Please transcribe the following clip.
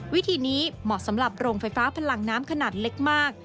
วิธีนี้เหมาะสำหรับโรงไฟฟ้าพลังน้ำขนาดเล็กมาก